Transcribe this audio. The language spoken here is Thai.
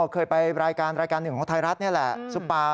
เคยไปรายการรายการหนึ่งของไทยรัฐนี่แหละซุปตา